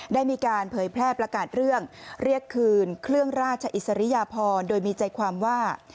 ได้มีการเผยแพร่ประกาศเรื่องเรียกคืนเครื่องราชอิสริยพรโดยมีใจความว่า